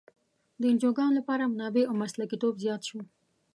د انجوګانو لپاره منابع او مسلکیتوب زیات شو.